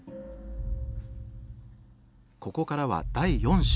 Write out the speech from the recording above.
ここからは第４章。